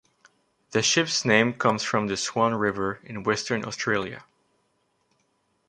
The ship's name comes from the Swan River in Western Australia.